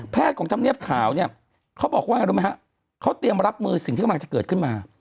ของธรรมเนียบข่าวเนี่ยเขาบอกว่ารู้ไหมฮะเขาเตรียมรับมือสิ่งที่กำลังจะเกิดขึ้นมา